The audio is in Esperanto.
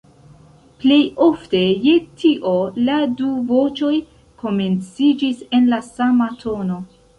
Plejofte je tio la du voĉoj komenciĝis en la sama tono.